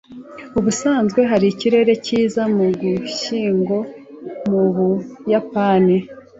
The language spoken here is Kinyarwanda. Ubusanzwe hari ikirere cyiza mu Gushyingo mu Buyapani